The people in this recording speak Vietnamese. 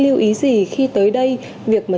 lưu ý gì khi tới đây việc mà